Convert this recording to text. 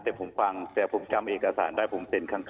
แต่ผมฟังแต่ผมจำเอกสารได้ผมเซ็นครั้ง